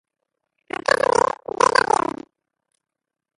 El casament ve de Déu.